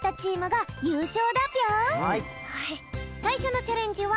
さいしょのチャレンジはたまよ